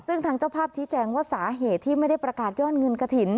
ซึ่งทางเจ้าภาพชี้แจงว่าสาเหตุที่ไม่ได้ประกาศยอดเงินกระถิ่น